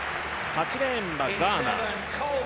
８レーンはガーナ。